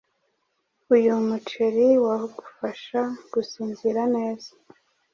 uyu muceri wagufasha gusinzira neza,